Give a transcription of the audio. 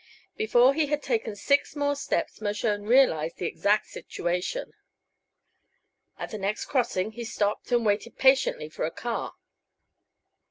Before he had taken six more steps Mershone realized the exact situation. At the next crossing he stopped and waited patiently for a car.